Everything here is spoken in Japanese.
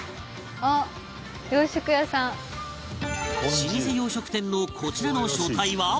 老舗洋食店のこちらの書体は？